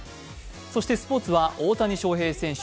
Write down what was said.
そしてスポーツは大谷翔平選手